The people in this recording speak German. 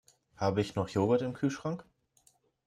Habe ich noch Joghurt im Kühlschrank?